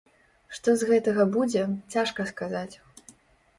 Што з гэтага будзе, цяжка сказаць.